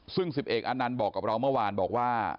ซึ่ง๑๑อนันต์บอกกับเราเมื่อวานบอกว่า